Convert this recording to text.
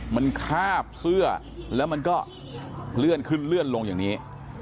มันคาบเสื้อแล้วมันก็เลื่อนขึ้นเลื่อนลงอย่างนี้